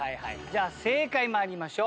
じゃあ正解参りましょう。